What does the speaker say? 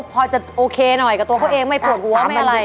พอจะโอเคหน่อยกับตัวเขาเองไม่ปวดหัวไม่อะไร